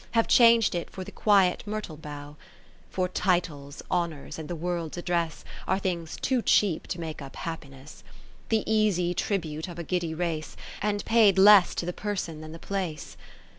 Have chang'd it for the quiet myrtle bough. For titles, honours, and the World's address. Are things too cheap to make up happiness ; htvitation to the Cou7itry I The easy tribute of a giddy race, And paid less to the person than the place.